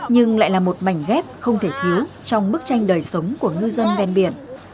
nhưng lại là một mảnh ghép không thể thiếu trong bức tranh đời sống của ngư dân ven biển